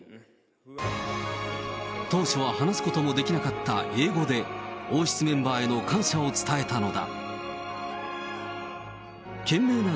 当初は話すこともできなかった英語で、王室メンバーへの感謝を伝えたのだ。